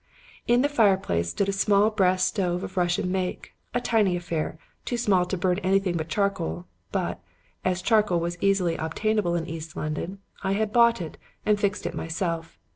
"In the fireplace stood a little brass stove of Russian make; a tiny affair, too small to burn anything but charcoal; but, as charcoal was easily obtainable in East London, I had bought it and fixed it myself.